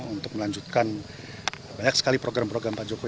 untuk melanjutkan banyak sekali program program pak jokowi